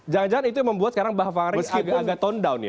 jangan jangan itu yang membuat sekarang bang faris agak agak tone down ya